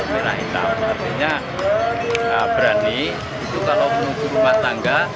merah hitam artinya berani itu kalau menunggu rumah tangga